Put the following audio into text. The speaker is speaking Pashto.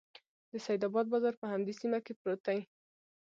د سیدآباد بازار په همدې سیمه کې پروت دی.